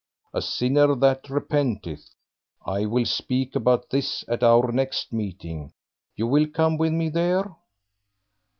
"A sinner that repenteth I will speak about this at our next meeting; you will come with me there?"